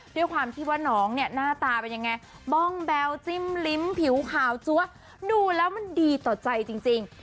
ด้วยความที่ว่าน้องเนี่ยหน้าตาเป็นยังไงบ้องแบ๊วจิ้มลิ้มผิวขาวจั๊วดูแล้วมันดีต่อใจจริง